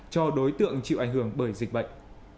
cho đối tượng chịu ảnh hưởng bởi dịch bệnh